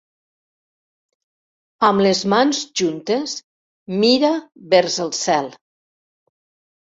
Amb les mans juntes, mira vers el cel.